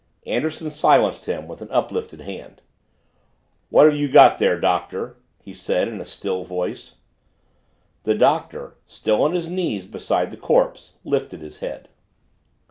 Anderson silenced him with an uplifted hand. "What have you got there, Doctor?" he said in a still voice. The Doctor, still on his knees beside the corpse, lifted his head.